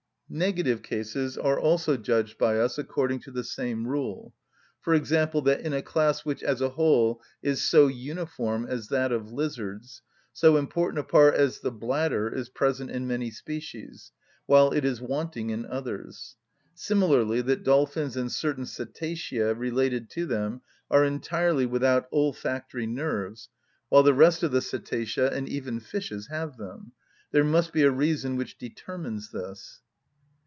Negative cases are also judged by us according to the same rule; for example, that in a class which, as a whole, is so uniform as that of lizards, so important a part as the bladder is present in many species, while it is wanting in others; similarly that dolphins and certain cetacea related to them are entirely without olfactory nerves, while the rest of the cetacea and even fishes have them: there must be a reason which determines this.